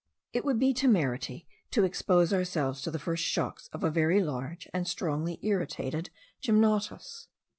It would be temerity to expose ourselves to the first shocks of a very large and strongly irritated gymnotus.